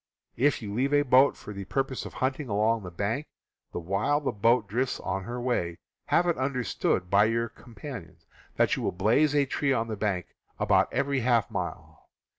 If you leave a boat for the purpose of hunting along the bank while the boat drifts on her way, have it understood by your compan ions that you will blaze a tree on the bank about every half mile.